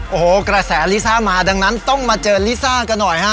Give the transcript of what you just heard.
โอ้โหกระแสลิซ่ามาดังนั้นต้องมาเจอลิซ่ากันหน่อยฮะ